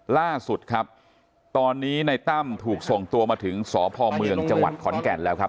ล่าสุดครับตอนนี้ในตั้มถูกส่งตัวมาถึงสพเมืองจังหวัดขอนแก่นแล้วครับ